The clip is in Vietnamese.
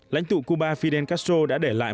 lãnh thụ cuba fidel castro đã để lại